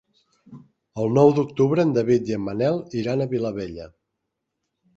El nou d'octubre en David i en Manel iran a Vilabella.